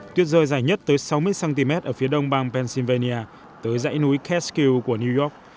tuyết rơi dài nhất tới sáu mươi cm ở phía đông bang pennsylvania tới dãy núi kaskyu của new york